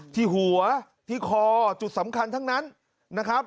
ที่หัวที่คอจุดสำคัญทั้งนั้นนะครับ